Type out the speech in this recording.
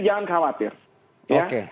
jangan khawatir oke